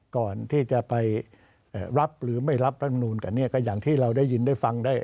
ก่อนที่จะไปเอ่อรับหรือไม่รับแล้วมันกันนี่ก็อย่างที่เราได้ยินได้ฟังได้